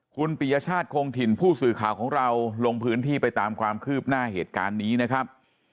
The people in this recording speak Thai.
คุณปียชาติคงถิ่นผู้สื่อข่าวของเราลงพื้นที่ไปตามความคืบหน้าเหตุการณ์นี้นะครับ